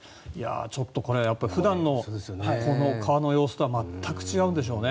ちょっとこれ普段のこの川の様子とは全く違うんでしょうね。